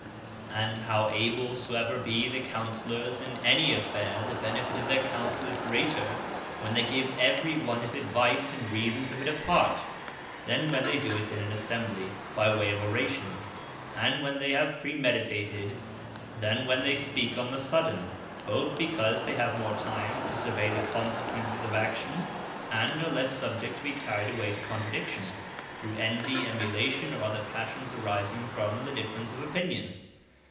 And how able soever be the Counsellours in any affaire, the benefit of their Counsell is greater, when they give every one his Advice, and reasons of it apart, than when they do it in an Assembly, by way of Orations; and when they have praemeditated, than when they speak on the sudden; both because they have more time, to survey the consequences of action; and are lesse subject to be carried away to contradiction, through Envy, Emulation, or other Passions arising from the difference of opinion.